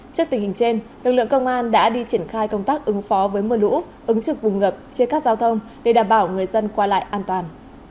trước tình hình trên lực lượng công an đã đi triển khai công tác ứng phó với mưa lũ ứng trực vùng ngập chia cắt giao thông để đảm bảo người dân qua lại an toàn